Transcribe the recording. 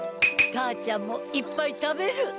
母ちゃんもいっぱい食べる。